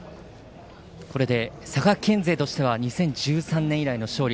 これで佐賀県勢としては２０１３年以来の勝利。